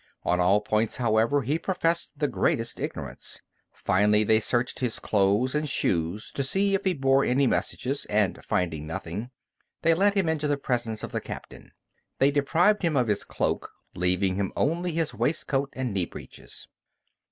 On all points, however, he professed the greatest ignorance. Finally they searched his clothes and shoes to see if he bore any messages, and finding nothing, they led him into the presence of the captain. They deprived him of his cloak, leaving him only his waistcoat and knee breeches.